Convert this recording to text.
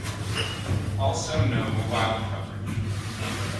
Also no mobile coverage.